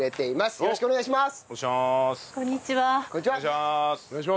よろしくお願いします。